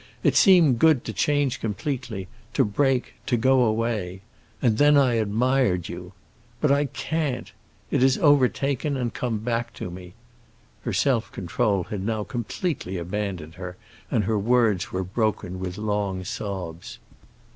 It seemed good to change completely, to break, to go away. And then I admired you. But I can't—it has overtaken and come back to me." Her self control had now completely abandoned her, and her words were broken with long sobs.